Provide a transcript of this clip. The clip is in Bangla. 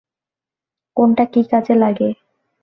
কোনটা কী কাজে লাগে?